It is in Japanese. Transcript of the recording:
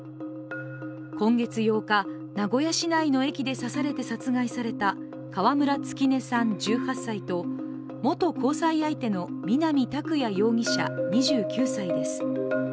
今月８日、名古屋市内の駅で刺されて殺害された、川村月音さん１８歳と元交際相手の南拓哉容疑者２９歳です。